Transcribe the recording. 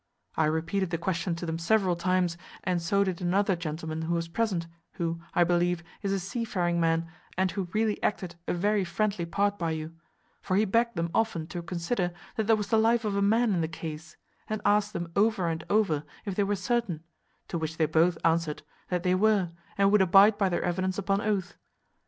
I repeated the question to them several times, and so did another gentleman who was present, who, I believe, is a seafaring man, and who really acted a very friendly part by you; for he begged them often to consider that there was the life of a man in the case; and asked them over and over, if they were certain; to which they both answered, that they were, and would abide by their evidence upon oath.